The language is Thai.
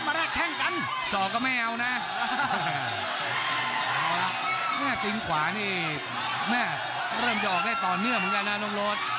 ไม่ได้ส่องก็ไม่เอานะแม่ติ๊งขวานี่แม่เริ่มจะออกได้ตอนเนื้อเหมือนกันนะน้องโรธ